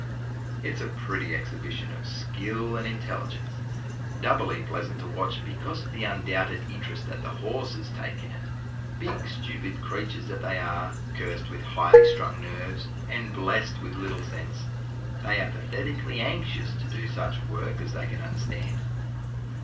It is a pretty exhibition of skill and intelligence, doubly pleasant to watch because of the undoubted interest that the horses take in it. Big, stupid creatures that they are, cursed with highly strung nerves, and blessed with little sense, they are pathetically anxious to do such work as they can understand.